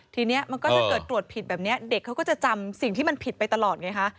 ทีนี้มันก็ถ้าเกิดตรวจผิดแบบนี้เด็กเขาก็จะจำสิ่งที่มันผิดไปตลอดไงคะ